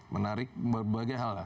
menarik berbagai hal lah